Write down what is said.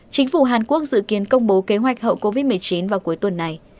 chính phủ hàn quốc dự kiến công bố kế hoạch hậu covid một mươi chín vào cuối tuần này